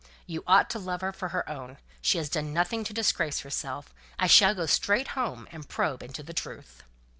"You ought to love her for her own. She has done nothing to disgrace herself. I shall go straight home, and probe into the truth."